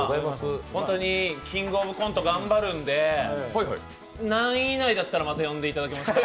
本当に「キングオブコント」頑張るんで何位以内だったら、また呼んでいただけますか？